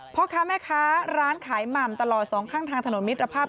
พ่อค้าแม่ค้าร้านขายหม่ำตลอดสองข้างทางถนนมิตรภาพ